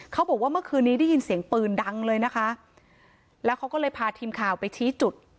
เขาบอกว่าเมื่อคืนนี้ได้ยินเสียงปืนดังเลยนะคะแล้วเขาก็เลยพาทีมข่าวไปชี้จุด